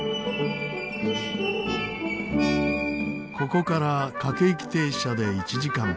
ここから各駅停車で１時間。